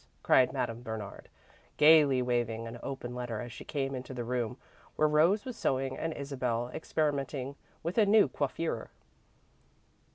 cried Madame Bernard, gaily waving an open letter as she came into the room where Rose was sewing and Isabel experimenting with a new coiffure.